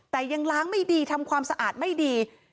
แต่ยังล้างไม่ดีทำความสะอาดไม่ดี